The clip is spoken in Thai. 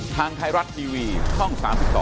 ทางไทยรัฐทีวีช่อง๓๒